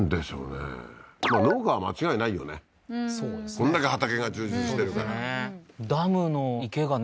こんだけ畑が充実してるからダムの池がね